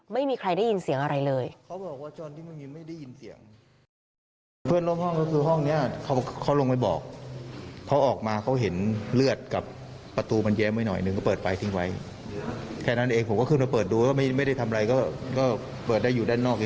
ไม่มีใครได้ยินเสียงอะไรเลย